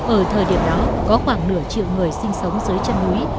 ở thời điểm đó có khoảng nửa triệu người sinh sống dưới chân núi